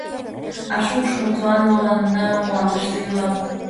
А шукш, мутлан манына, мландыште ила.